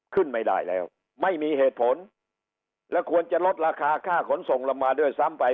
ขึ้นไม่ได้แล้วไม่มีเหตุผลและควรจะลดราคาค่าขนส่งลงมาด้วยซ้ำไป